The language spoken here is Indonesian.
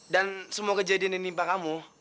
dan semua kejadian yang menimpa kamu